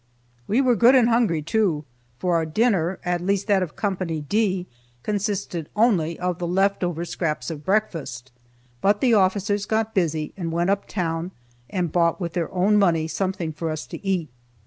We were good and hungry, too, for our dinner, at least that of Co. D, consisted only of the left over scraps of breakfast. But the officers got busy and went up town and bought, with their own money, something for us to eat.